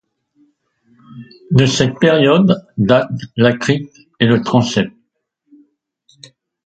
De cette période datent la crypte et le transept.